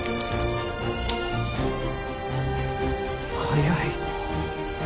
早い！